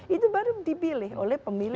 itu baru dipilih oleh pemilih